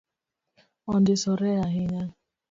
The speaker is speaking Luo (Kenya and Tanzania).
Ondisore ahinya